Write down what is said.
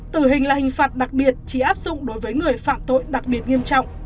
tử hình là hình phạt đặc biệt chỉ áp dụng đối với người phạm tội đặc biệt nghiêm trọng